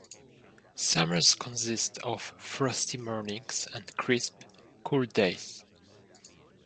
Summers consist of frosty mornings and crisp, cool days.